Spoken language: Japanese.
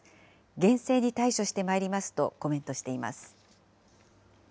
厳正に対処してまいりますとコメントしています。